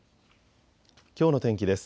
きょうの天気です。